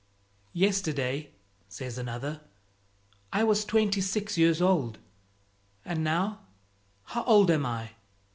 "Yesterday," says another, "I was twenty six years old. And now how old am I?"